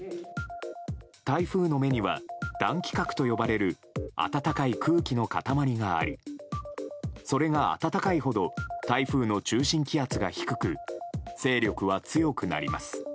台風の目には暖気核と呼ばれる暖かい空気の塊がありそれが暖かいほど台風の中心気圧が低く勢力は強くなります。